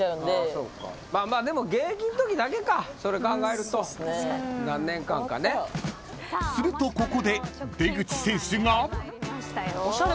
まあでも現役のときだけかそれ考えると何年間かね。［するとここで出口選手が］